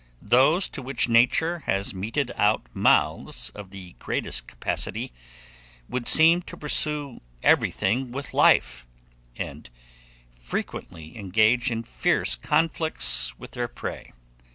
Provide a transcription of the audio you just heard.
Those, to which Nature has meted out mouths of the greatest capacity, would seem to pursue everything with life, and frequently engage in fierce conflicts with their prey.